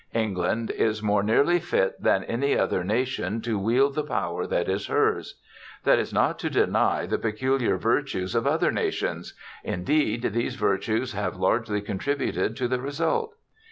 England is more nearly fit than any other nation to wield the power that is hers. That is not to deny the peculiar virtues of other nations; indeed, these virtues have largely contributed to the result.